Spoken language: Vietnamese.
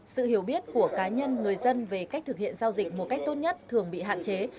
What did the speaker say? sự hiểu biết của cá nhân người dân về cách thực hiện giao dịch một cách tốt nhất thường bị hạn chế